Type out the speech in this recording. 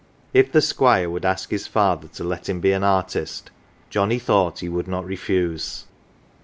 If the Squire would ask his father to let him be an artist, Johnnie thought 58 CELEBRITIES he would not refuse.